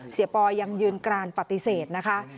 เสียปอยังยืนการปฏิเสธนะคะ